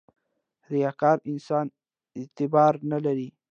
• ریاکار انسان اعتبار نه لري.